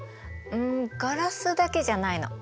んガラスだけじゃないの。